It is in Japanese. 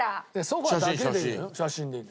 ソファだけでいい写真でいい。